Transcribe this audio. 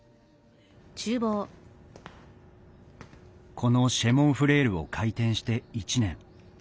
この「シェ・モン・フレール」を開店して１年。